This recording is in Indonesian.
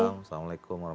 assalamualaikum wr wb